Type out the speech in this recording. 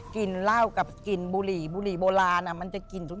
กินเหล้ากับกลิ่นบุหรี่บุหรี่โบราณมันจะกลิ่น